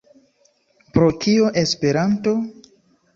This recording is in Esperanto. Pro kio Esperanto?